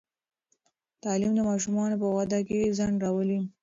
تعلیم د ماشومانو په واده کې ځنډ راولي.